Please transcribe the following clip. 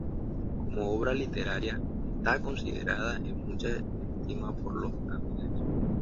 Como obra literaria, está considerada en mucha estima por los tamiles.